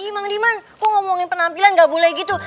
ih mang diman kok ngomongin penampilan ga boleh gitu